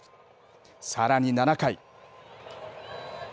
さらに７回。